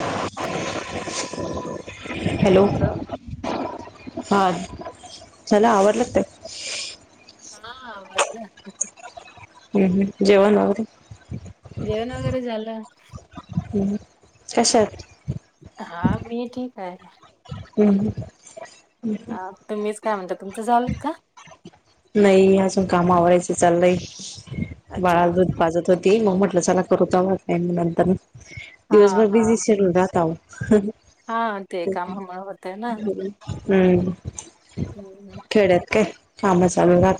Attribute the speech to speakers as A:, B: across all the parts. A: [unintelligible] Hello. हा चला आवरल ते.
B: हा आवरल आताच.
A: हम्म हम्म जेवण आवरल.
B: जेवण वगैरे झालं.
A: हम्म, हम्म कशा आहात.
B: हा मी ठीक आहे
A: हम्म, हम्म.
B: हा तुम्हीच काय म्हणता तुमचं झालं का.
A: नाही अजून काम आवरायचं चाललंय
B: अच्छा
A: बाळाला दूध पाजत होते. ते मग म्हटलं चला करू [unintelligible] नंतर
B: हा
A: दिवसभर
B: हा
A: बिझी शेड्युल राहत अहो.
B: हा ते कामामुळे होतय ना
A: [inaudible] हम्म
B: हम्म.
A: खेड्यात काय काम चालू राह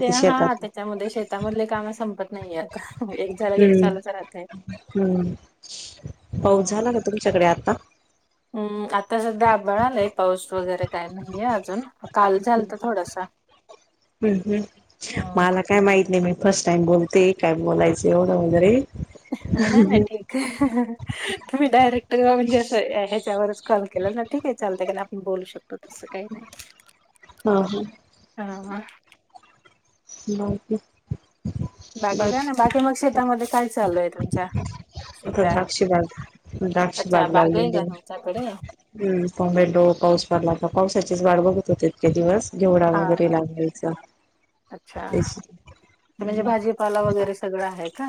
B: ते हा त्याच्यामध्ये शेतामधले काम संपत नाही. नाही आता एक झाला की एक
A: हम्म
B: चालूच राहतय.
A: हम्म पाऊस
B: हम्म
A: झाला का तुमच्याकडे आता.
B: हम्म, आता सध्या आभाळ आलय पाऊस वगैरे काय नाहीये अजून काल झालता थोडसा.
A: हम्म हम्म मला काय माहित नाही बाई फर्स्ट टाइम बोलते कायम बोलायंच एवढं वगैरे
B: हा ना नाही ठीक आहे तुम्ही डायरेक्ट म्हणजे अस ह्याच्यावरच कॉल केला ना ठीक आहे चालतय काय नाही आपण बोलू शकतो तसं काही नाही.
A: हा हा.
B: हा हा.
A: बाकी?
B: बाकी काय नाय बाकी मग शेतामध्ये काय चालू आहे तुमच्या?
A: आता
B: सध्या
A: द्राक्षीबाग
B: अच्छा
A: द्राक्षीबाग
B: बाग
A: लावलेली
B: का
A: आहे.
B: तुमच्याकडे
A: हम्म टोमॅटो पाऊस पडला का पावसाचीच वाट बघत तितके दिवस घेवडा
B: हा
A: वगैरे
B: हा
A: लावून घ्यायचा
B: अच्छा
A: तेच.
B: ते म्हणजे भाजीपाला
A: नाही
B: वगैरे सगळं आहे का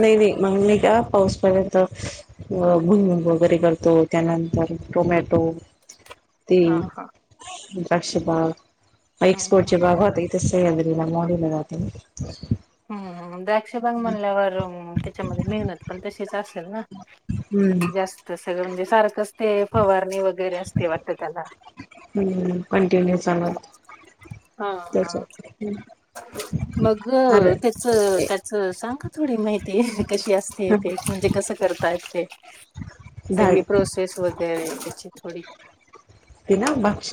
A: नाही मग मी का पाऊस पर्यंत अ भुईमूग वगैरे करतो त्यानंतर टोमॅटो ती
B: हा हा
A: द्राक्ष बाग
B: हम्म
A: एक्सपोर्ट चे
B: हम्म.
A: बाग होते. ते सगळे [unintelligible] मोडीला जाते.
B: हम्म हम्म द्राक्षबाग म्हणल्यावर त्याच्यामध्ये मेहनत पण तशीच असेल ना
A: हम्म
B: जास्त सगळं म्हणजे सारखंच ते फवारणी वगैरे असते वाटतं त्याला
A: हम्म कंटिन्यू चालत
B: हा हा.
A: त्याच्या [inaudible] अरे
B: मगं तेचा त्याचा सांग थोडी माहिती कशी असते ते म्हणजे कसं कर तात ते
A: दहा
B: सगळी प्रोसेस वगैरे त्याची थोडी
A: ती ना भाक्ष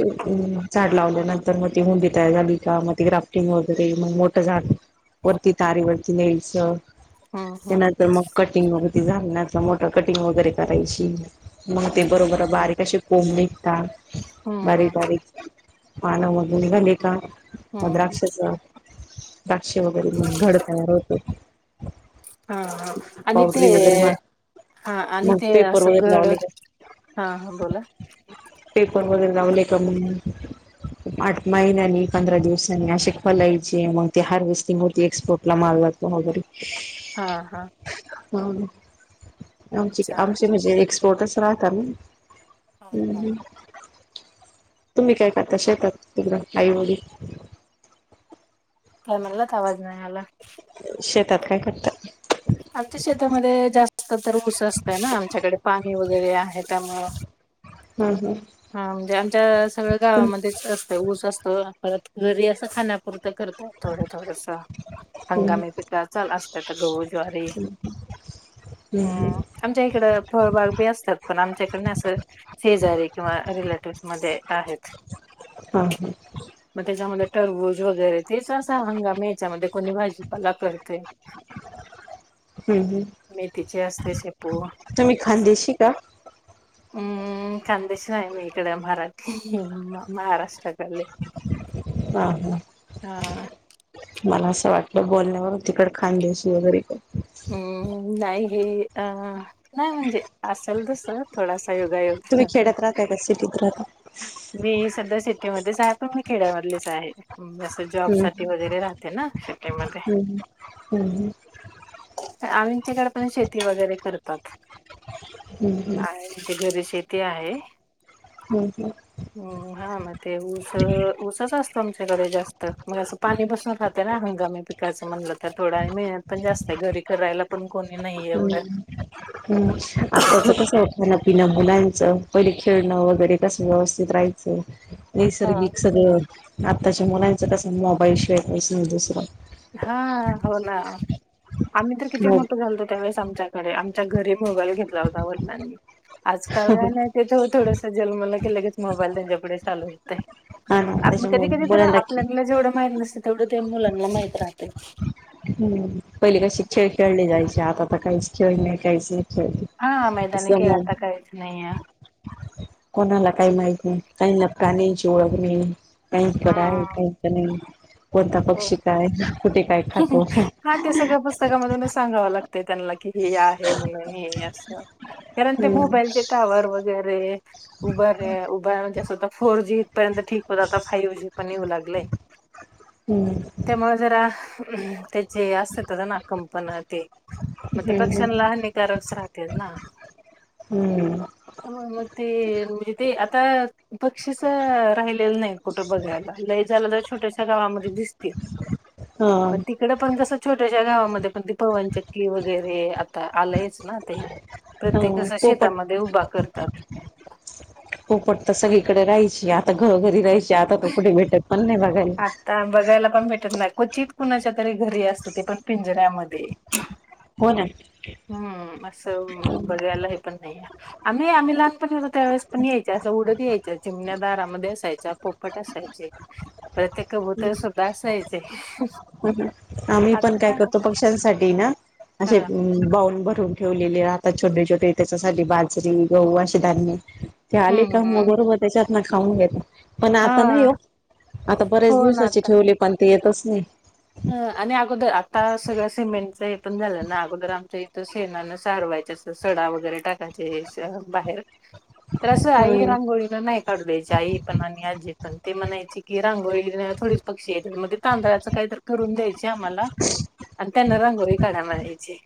A: झाड लावल्यानंतर मग ती मुंडी तयार झाली का मग ते राफ्टिंग वगैरे मोठं झाड वरती तारे वरती न्यायचं.
B: हम्म हम्म
A: त्यानंतर मग कटिंग वगैरे ते झाल ना मोठ कटिंग वगैरे करायची मग ते बरोबर बारीक अशे कोंब निघता.
B: हम्म हम्म
A: बारीक-बारीक पाणं मधून निघाली का मग
B: हम्म
A: द्राक्षाचा द्राक्ष वगैरे घड तयार होतो.
B: हा हा आणि ते हा आणि
A: मग
B: ते
A: पेपर
B: असं
A: वगैरे
B: घड
A: लावले का
B: हा हा बोला.
A: पिपन वगैरे लावलीय का मग? आठ महिन्यांनी पंधरा दिवसांनी असे फलायचे मग ते हारवेस्टिंग होती एक्सपोर्टला माल [unintelligible] वगैरी
B: हा हा.
A: व्हावू दे आमचे
B: अच्छा
A: आमचे म्हणजे एक्सपोर्टस राहतात नई
B: हा
A: हम्म
B: हा
A: हं. तुम्ही काय करता शेतात तिकडं आईवडील
B: काय म्हणलात आवाज नाही आला.
A: शेतात काय करता?
B: आता शेतामध्ये जास्त तर ऊस असतय ना आमच्याकडे पाणी वगैरे आहे त्यामुळं
A: ह.
B: हा म्हणजे आमच्या सगळ्या
A: हम्
B: गावामध्येच असतं ऊस अस तं हो परत रियाचा खाण्यापुर करताय थोडं थोडसा हंगामी पिक्याचल असत्या तर गहू ज्वारी
A: हम्म हम्म.
B: हम्म, आमच्या इकडं फळबाग बी असतात पण आमच्या इकडे ना असं शेजारी किंवा रिलेटिव्ह मध्ये आहेत.
A: हम्म हम्म.
B: तरबूज वगैरे तेच असा हंगामी याच्यामध्ये कोणी भाजीपाला करतय.
A: हम्म
B: मेथीचे असते शेपू
A: तुम्ही
B: अस
A: खानदेशी का
B: हम्म, खानदेशी आहे मी इकडं मराठी म महाराष्ट्र ले
A: हा हा
B: हा.
A: मला असं वाटलं बोलण्यावर तिकडं खांदेशी वगैरे काय
B: अम्म नाही हे नाही म्हणजे असेल तसं थोडसा
A: तुम्ही खेड्यात राहताय काय सिटीत राहाताय
B: मी सध्या सिटीमध्येध्येच आहे पण मी खेड्यामधलेच आहे मी अस जॉब
A: हम्म
B: साठी वगैरे राहते ना, शेटी मध्ये
A: उंहू,
B: आंच्याकडे पण शेती वगैरे करतात
A: हम्म हम्म
B: आईच्या घरी कती आहे
A: हम्म हम्म
B: हा मग ते ऊस ऊसच असत तुमच्याकडे जास्त मग असं पाणी बसून खात ना हंगामी पिकाचं म्हणलं तर थोडा मेहनत पण जास्त आहे हे घरी करायला पण कोणी नाही एवढं
A: हम्म हम्म आताच कस खाणपिणं मुलांच्या परी खेळणं वगैरे घरी बसून व्यवस्थित राहायचं
B: हा
A: नैसर्गिक सगळं आत्ताच्या मुलांचा कस मोबाईल शिवाय काहीच नाही दुसरं
B: हा हो ना आम्ही तर किती
A: मो
B: मोठं झालतो त्यावेळेस आमच्यात अरे आमच्या घरी मोबाईल घेतला होता वडिलांनी आज काय वाय नाही ते थोडस जन्मलकि लगेच मोबाईल त्यांच्या पुड्यात चालू होतय.
A: हा ना
B: आपण कधी
A: त्याच्यामु
B: कधी तर
A: मुलांना
B: आपल्याला जेवढं माहत नसत तेवढं ते मुलांना माहित राहत
A: हम्म पहिले कशी खेळ खेळले जायचे आता काहीच खेळ नाही काहीच नाही खेळते
B: हा मैदानी
A: तसं
B: खेळ
A: मग
B: काहीच नाही आहे
A: कोणाला काही माहिती नाही काहीना प्राण्यांची ओळख नाही. काही चढ आहे
B: हा
A: काहीच नाही कोणता
B: हो
A: पक्षी काय कुठे काय खातो
B: त्या सगळ्या पुस्तकामधूनच सांगावं लागतं त्यांना की हे आहे म्हणून अस कारण ते
A: हम्म
B: मोबाईलचे टावर वर उबर रे उबर रे उबर म्हणजे फोर जी त्यानंतर ठीक पदार्थोत हायोजीन पन येऊ लागले
A: हम्म
B: त्यामुळे जरा त्याचे असत होता ना कंपन ते मग ते
A: हम्म
B: पक्ष्यांला हानिकारकच राहते ना
A: हम्म
B: आता ते [unintelligible] बक्षीस राहिलेलं नाही कुठं बघायला छोट्याशा गावात [unintelligible]
A: हा
B: पण तिकडे पण छोट्याश्या गावामध्ये पण पवन चक्की वगैरे आता आलंयच ना ते
A: हो
B: प्रत्येक असा
A: पोपट
B: शेतामध्ये उभा करतात
A: पोपट तर सगळीकडे राहायची आता घरोघरी राहायची आता तो कुठे भेटत पण नाही बघायला.
B: आता बघायला पण भेटत नाहीत क्वचित कुणाच्या तरी घरी असत ते पण पिंजऱ्यामध्ये
A: हो ना
B: हम्म असं बघायला हे पण नाही आम्ही आम्ही लहानपणी होेतो त्या वेळेस पण यायच्या असं उडत यायच्या चिमण्या‌ दारामध्ये यायच्या असायच्या पो पोपट असायचे परत कबुतरं सुद्धा असायचे
A: आम्ही पण
B: आता
A: काय करतो पक्ष्यांसाठी ना असे
B: हा
A: बाऊल भरून ठेवलेले आताा छोटे छोटे त्याच्यासाठी बाजरी गहू असे धान्य ते आले
B: हम्म
A: का मग
B: हम्म
A: बरोबर त्याच्यात ना खाऊन घेता पण
B: हा
A: आता नाही हो आता
B: हो
A: बऱ्याच
B: ना
A: दिवसाची
B: आता
A: ठेवली पण ते येतच नाही
B: ह आणि अगोदर आता सगळं सिमेंटच हे पण झालं ना अगोदर आमच्या इथं शेनान सारवायच अस स डा वगैरे टाकायचे बाहेर
A: [unintelligible]
B: तर असं आई
A: ह
B: रांगोळीला नाही काढू द्यायची आई पण आणि आजी पण ते म्हणायची की रांगोळी थोडी पक्षी म्हण तांदळाच काही तर करून द्यायचे आम्हाला त्यांना रांगोळी काढाला मला यायची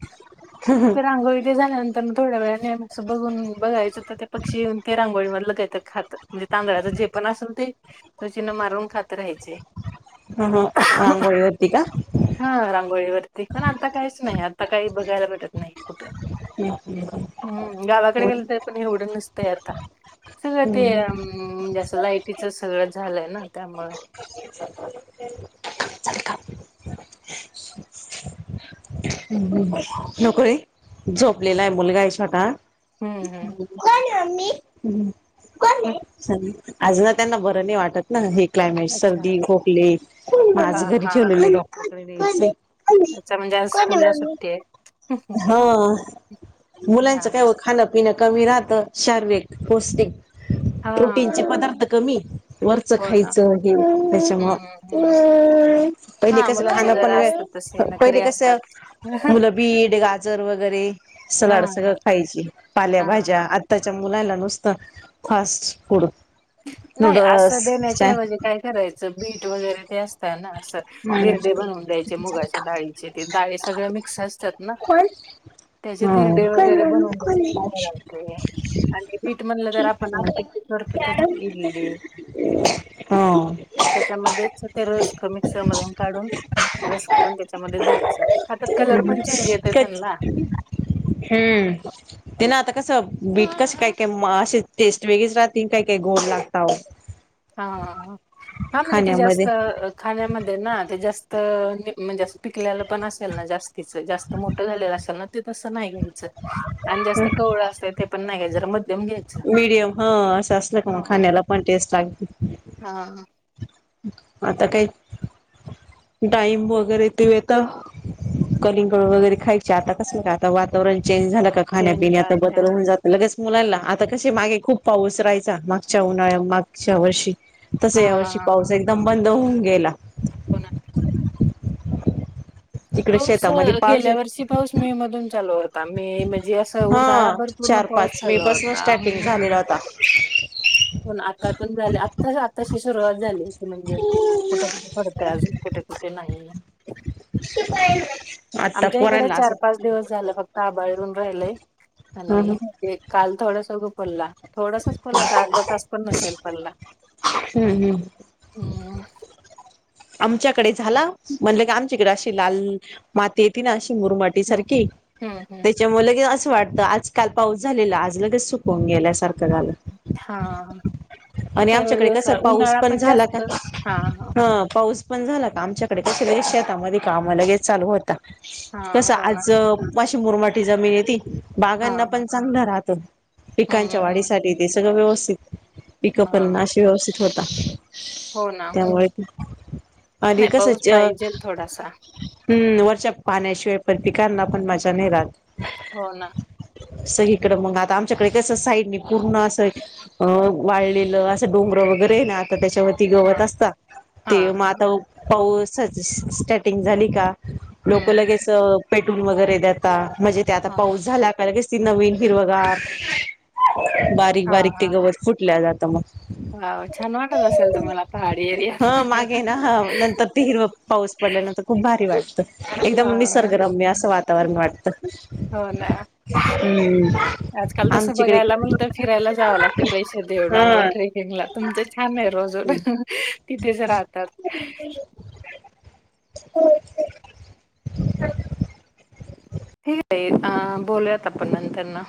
B: मग ते रांगोळी ते झाल्यानंतर थोड्या वेळाने बघून बघायचं तर ते पक्षी ते रांगोळी मधलं काहितरी खातात. म्हणजे तांदळाचं जे पण असेल ते त चिन्ह मारून खात राहायचे
A: हा हा रांगोळी
B: हा रांगोळीवरती पण आता काहीच नाही आता काही बघायला भेटत नाही कुठं.
A: हम्म
B: हम्म! गावाकडे गेलं तर पण एवढं नसतंय आता. सगळं ते
A: हम्म.
B: अम जसं लाईट तिच सगळं झालंय ना त्यामुळे
A: नको रे झोपलेला आहे मुलगा आहे छोटा.
B: हम्म, हम्म. हं,
A: सानी अजूनं हा त्यांना बरं नाही वाटत ना हे क्लायमेट
B: अच्छा.
A: सर्दी, खोकले आज
B: हां,
A: घरी
B: हां.
A: ठेवलेले डॉक्टरकडे न्यायचे.
B: अच्छा! म्हणजे आज
A: कोण
B: स्कूलला
A: आहे मम्मी?
B: सुट्टी आहे.
A: हा मुलांचं काय
B: हां,
A: खाण्यापिण्या कमी राहत. शारिक-पौष्टिक
B: हां.
A: प्रोटीनचे पदार्थ कमी वरचं
B: हो ना.
A: खायचं हे
B: हं,
A: त्याच्यामुळं.
B: हं.
A: पहिले
B: हां,
A: कस
B: मुलांचे
A: खाणं पण
B: जरा असतात तसे
A: पहिले
B: नखरे
A: कस
B: असतात.
A: मुलं बीट, गाजर वगैरे. सलाड
B: हां,
A: सगळ
B: हां.
A: खायचे
B: हां,
A: पालेभाज्या
B: हां.
A: आताच्या मुलाला नुसतं फास्ट फूड.
B: नाही असं
A: नूडल्स चा
B: देण्याच्याऐवजी काय करायचं बीट वगैरे ते असत--.. ना असं
A: हम्म
B: दिर्डे बनवून द्यायचे मुगाच्या डाळीचे ते डाळी सगळे मिक्स असतात ना.
A: कोण
B: त्याचे
A: हो
B: दिरडे
A: कोण
B: वगैरे
A: मम्मी
B: बनवून
A: कोण आहे
B: द्यायचे [inaudible] आणि पीठ म्हणलं तर आपण आप्पे करतच.
A: मॅडम
B: इडली
A: हो
B: त्याच्यामध्येच ते रस कमी [unintelligible] मधून काढून रस करून त्याच्यामध्ये द्यायचं ते खातत कलर पण चेंज येतय
A: कच
B: त्यांला.
A: हम्म ते ना आता कस बीट कसं काय काय असे टेस्ट वेगळेच राहते काय काही गोड लागत.
B: हा हा म्हणजे ते जास्त खाण्यामध्ये ना ते जास्त म्हणजे पिकलेलं पण असेल ना जास्तीच जास्त मोठ झाले असेल ना तसं नाही घ्यायचं आणि जास्त कवळ असत ते पण नाही घ्यायच जरा, म
A: मीडियम हा असं असलं का मग
B: हा
A: खाण्याला पण टेस्ट लागते.
B: हा!
A: आता काही डाळिंब वगैरे ते येता? कलिंगड वगैरे खायचे आता कस का आता वातावरण चेंज झालं का
B: चेंज
A: खाण्यापिण्यात आता
B: झालंय
A: बदल होऊन जात लगेच. मुलांला आता कसे मागे खूप पाऊस राहायचा मागच्या उन्हाळ्या मागच्या वर्षी तस यावर्षी
B: हा
A: पाऊस एकदम बंद होऊन गेला.
B: हो ना
A: तिकडे
B: पाऊस
A: शेतामध्ये पाऊस
B: गेल्या वर्षी पाऊस मे मधून चालू होता मे म जे असं उन्हाळा
A: हा
B: भर पूर्ण
A: चार पाच
B: पाऊस
A: मे
B: झाला
A: पासून
B: होता.
A: स्टार्टिंग झालेला होता
B: पण आतातून झाले आता आताशी सुरुवात झाली. म्हणजे कुठं कुठे पडतय अजून कुठे कु ठे नाही.
A: आता
B: आमच्या इकडे
A: पोरांला
B: चार
A: असं
B: पाच दिवस झालं फक्तआभाळ येऊन राहिलय.
A: ह
B: आणि काल थोडासा पडला थोडासाच पडला चार पण नसेल पडला.
A: हम्म! हम्!
B: हम्म
A: आमच्याकडे झाला म्हणलं की आमच्याकडे अशी लाल माती येती ना अ मुरमाटी
B: हम्म
A: सारखी
B: हम्म हम्म
A: त्याच्यामूळ लगेच असं वाटत आज काल पाऊस झालेला आज लगेच सुकवून गेल्यासारखं झालं.
B: हा
A: आणि
B: त्यावेळी
A: आमच्याकडे कसा
B: असा
A: पाऊस
B: उन्हाळा
A: पण झाला का
B: जास्त हा हा
A: ह पाऊस पण झाला का आमच्याकडे कशे लगेच शेतामध्ये काम लगेच चालू होता. कस
B: हा हो ना
A: आज [unintelligible] मुरमाटी जमीन आहे ती.
B: हा
A: बागांना
B: हा
A: पण चांगलं राहतं
B: हम्म
A: पिकांच्या
B: हम्म
A: वाढीसाठी ते सगळं व्यवस्थित पिक
B: हा
A: पण अशी व्यवस्थित होतात.
B: हो ना.
A: आणि
B: नाही पाऊस
A: कासच
B: पाहिजेल थोडासा
A: हम् पाहण्याशिवाय परतीकारना पण माज्जा नाही राहत
B: हो ना
A: अस इकडें मग आता आमच्याकडे कसं साईड ने पुर्ण असं अ वाळलेलं असं डोंगर वगैरे ये ना आता त्याच्यावरती
B: हा
A: गवत असता
B: हा
A: ते मग
B: हा
A: आता पाऊस स्टार्टिंग झाली का लोक
B: हम्म
A: लगेच पेट्रोल वगैरे देता म्हणजे ते आता
B: हा
A: पाऊस झाला का लगेच नवीन हिरव गार बारीक बारीक ते गवत फुटल्या जातं मग
B: वाव! छान वाटत असेल तुम्हाला पहाडी एरियात
A: हा ते हिरव पाऊस पडल्या नंतर खूप भारी वाट एकदम
B: हां,
A: निसर्गरम्य असं वातावरण वाटत
B: हो ना.
A: हम्म
B: आजकाल तसं
A: आमच्याकडे
B: बघायला म्हणलं तर फिरायला जावं लागतय पैसे देऊन आम्हाला
A: हा
B: टेरेकिंगला तुमच छान ये रोज तिथेच राहतात.
A: [inaudible]
B: ते अ बोलूयात आपण नंतर न